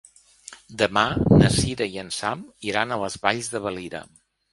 Demà na Sira i en Sam iran a les Valls de Valira.